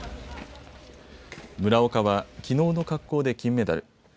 村岡は、きのうの滑降で金メダル。